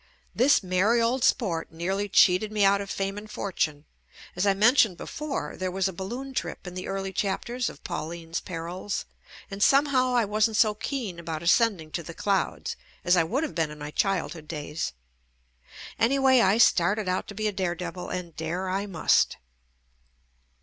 This merry old sport nearly cheated me out of fame and fortune. As I men tioned before, there was a balloon trip in the early chapters of Pauline's Perils, and some JUST ME how I wasn't so keen about ascending to the clouds as I would have been in my childhood days ; anyway I started out to be a dare devil and dare I must.